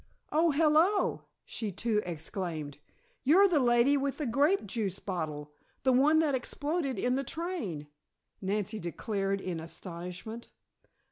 "Oh, hello!" she too exclaimed. "You're the lady with the grape juice bottle the one that exploded in the train!" Nancy declared in astonishment.